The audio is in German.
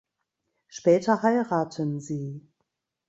Später heiraten sie.